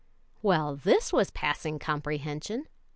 Well, this was passing comprehension!